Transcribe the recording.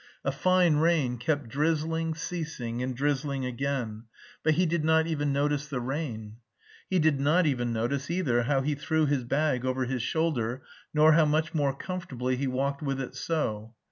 A fine rain kept drizzling, ceasing, and drizzling again; but he did not even notice the rain. He did not even notice either how he threw his bag over his shoulder, nor how much more comfortably he walked with it so.